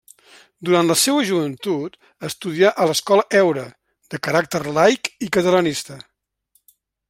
Durant la seua joventut estudià a l'Escola Heura, de caràcter laic i catalanista.